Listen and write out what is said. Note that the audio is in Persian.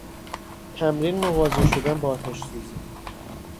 تمرین مواجه شدن با آتش سوزی